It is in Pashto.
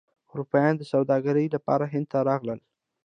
اروپایان د سوداګرۍ لپاره هند ته راغلل.